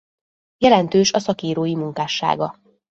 Jelentős a szakírói munkássága.